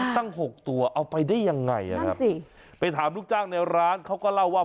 หกตัวเอาไปได้ยังไงนะครับไปถามลูกจ้างในร้านเขาก็เล่าว่า